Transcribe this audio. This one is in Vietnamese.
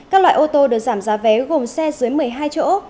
các loại ô tô được giảm giá vé gồm xe dưới một mươi hai chỗ